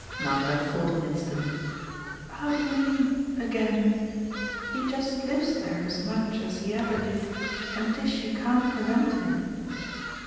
Nanda thought an instant. "How do you mean, 'again'? He just lives there as much as he ever did, and Tishy can't prevent him."